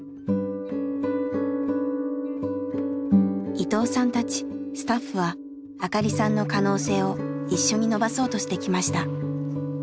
伊藤さんたちスタッフは明香里さんの可能性を一緒に伸ばそうとしてきました。